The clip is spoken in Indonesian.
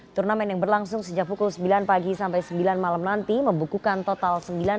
turnamen yang berlangsung sejak pukul sembilan pagi sampai sembilan malam nanti membukukan total sembilan puluh